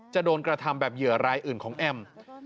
โดนกระทำแบบเหยื่อรายอื่นของแอม